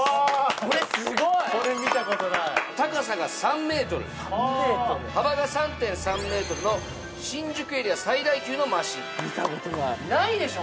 これすごい！これ見たことない高さが３ｍ幅が３．３ｍの新宿エリア最大級のマシン見たことないないでしょ